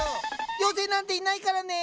妖精なんていないからね。